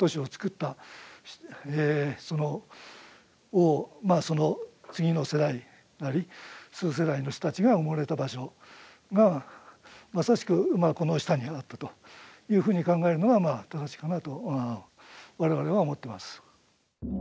王まあその次の世代なり数世代の人達が埋もれた場所がまさしくこの下にあったというふうに考えるのが正しいかなと我々は思ってます